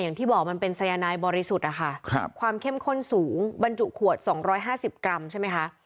อย่างที่บอกมันเป็นสายนายบริสุทธิ์นะคะความเข้มข้นสูงบรรจุขวด๒๕๐กรัมใช่ไหมคะ